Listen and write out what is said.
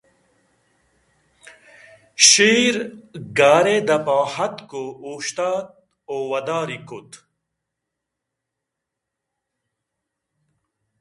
شیر غارءِ دپءَاتکءُ اوشتاتءُ ودارے کُت